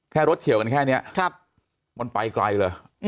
รถเฉียวกันแค่นี้มันไปไกลเลย